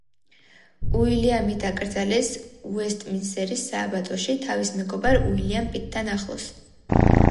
უილიამი დაკრძალეს უესტმინსტერის სააბატოში, თავის მეგობარ უილიამ პიტთან ახლოს.